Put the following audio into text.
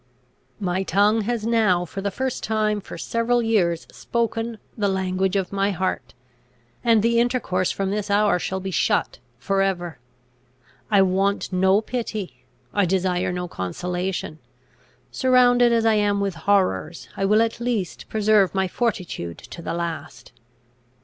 "My tongue has now for the first time for several years spoken the language of my heart; and the intercourse from this hour shall be shut for ever. I want no pity. I desire no consolation. Surrounded as I am with horrors, I will at least preserve my fortitude to the last.